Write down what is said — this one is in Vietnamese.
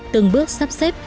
từng bước sắp xếp